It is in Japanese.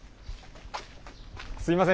すいません